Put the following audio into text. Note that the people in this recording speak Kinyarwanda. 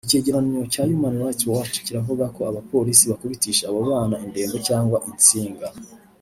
Icyegeranyo cya Human Rights Watch kiravuga ko abapolisi bakubitisha abo bana indembo cyangwa intsinga